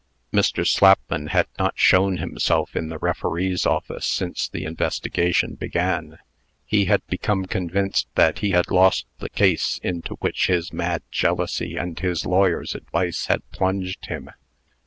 Mr. Slapman had not shown himself in the referee's office since the investigation began. He had become convinced that he had lost the case into which his mad jealousy and his lawyer's advice had plunged him.